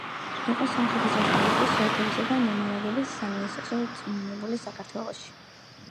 იყო სომხეთის რესპუბლიკის სურსათისა და მომარაგების სამინისტროს რწმუნებული საქართველოში.